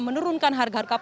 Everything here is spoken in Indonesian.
menurunkan harga bbm